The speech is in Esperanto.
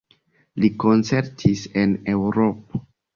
Li koncertis en Eŭropo.